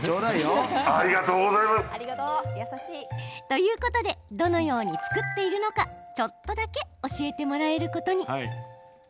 ということでどのように作っているのかちょっとだけ教えてもらえることに。